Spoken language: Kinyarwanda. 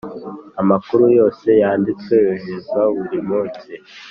Amakuru yose yanditswe yoherezwa buri munsi